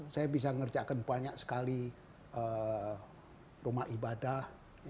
saya bisa ngerjakan banyak sekali rumah ibadah